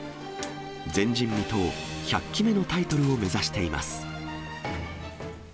前人未到、１００期目のタイトルを目指しています。